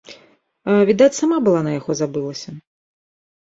Відаць, сама была на яго забылася.